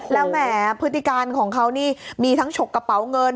แล้วแหมพฤติการของเขานี่มีทั้งฉกกระเป๋าเงิน